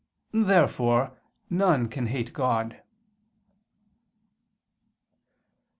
Therefore none can hate Him.